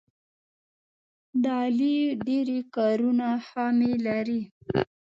د علي ډېری کارونه خامي لري.